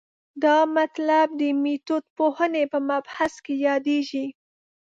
دا مطلب د میتودپوهنې په مبحث کې یادېږي.